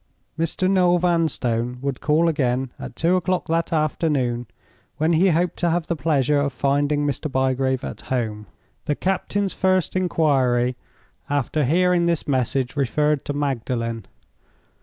"Mr. Noel Vanstone would call again at two o'clock that afternoon, when he hoped to have the pleasure of finding Mr. Bygrave at home." The captain's first inquiry after hearing this message referred to Magdalen.